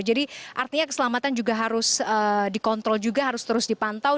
jadi artinya keselamatan juga harus dikontrol juga harus terus dipantau